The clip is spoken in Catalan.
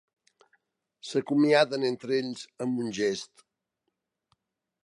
S'acomiaden entre ells amb un gest.